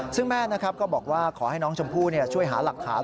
ซึ่งแม่นะครับก็บอกว่าขอให้น้องชมพู่ช่วยหาหลักฐาน